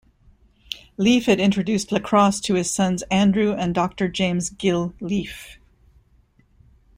Leaf had introduced lacrosse to his sons Andrew and Doctor James 'Gil' Leaf.